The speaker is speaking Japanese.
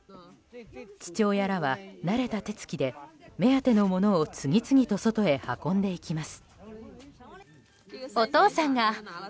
父親らは、慣れた手つきで目当てのものを次々と外へ運んでいきます。